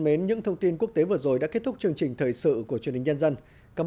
mến những thông tin quốc tế vừa rồi đã kết thúc chương trình thời sự của truyền hình nhân dân cảm